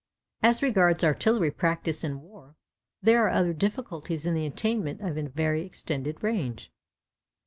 As regards artillery practice in war, there are other difficulties in the attainment of a very extended range.